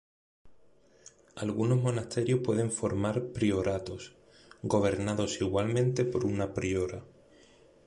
Algunos monasterios pueden formar prioratos, gobernados igualmente por una priora.